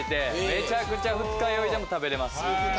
めちゃくちゃ二日酔いでも食べれます。